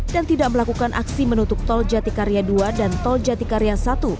dan tidak melakukan aksi menutup tol jatikaria dua dan tol jatikaria satu